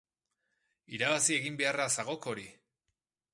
Irabazi egin beharra zagok hori!